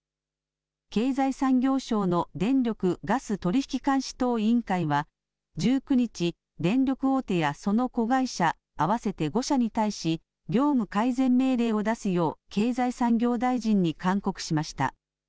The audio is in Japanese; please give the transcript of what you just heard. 経済産業省の電力・ガス取引監視等委員会は１９日、電力大手やその子会社合わせて５社に対し業務改善命令を出すよう経済産業大臣に勧告しました。